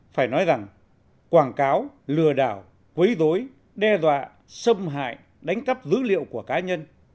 phải nói rằng quảng cáo lừa đảo quấy dối đe dọa xâm hại đánh cắp dữ liệu của cá nhân